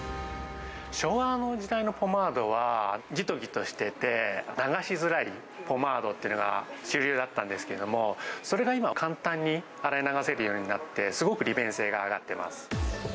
昭和の時代のポマードは、ぎとぎとしてて、流しづらいポマードっていうのが主流だったんですけど、それが今は簡単に洗い流せるようになって、すごく利便性が上がっています。